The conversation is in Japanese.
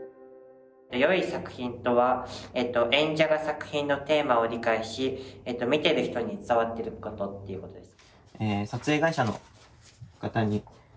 よい作品とは演者が作品のテーマを理解し見てる人に伝わってることっていうことです。